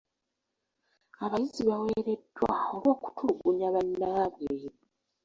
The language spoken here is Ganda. Abayizi baawereddwa olw'okutulugunya abannaabwe.